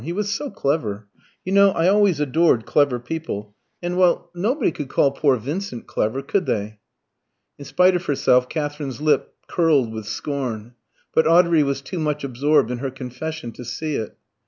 He was so clever. You know I always adored clever people; and, well nobody could call poor Vincent clever, could they?" In spite of herself, Katherine's lip curled with scorn. But Audrey was too much absorbed in her confession to see it.